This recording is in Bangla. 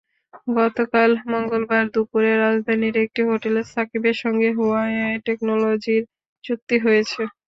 গতকাল মঙ্গলবার দুপুরে রাজধানীর একটি হোটেলে সাকিবের সঙ্গে হুয়াওয়ে টেকনোলজিসের চুক্তি হয়েছে।